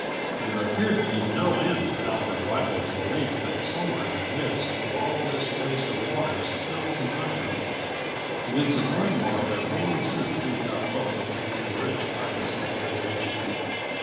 There appeared to be no end to Alfred Brightwood's belief that somewhere in the midst of all this waste of waters there was an island. Vincent Ardmore had long since given up hope of becoming rich by this mad adventure.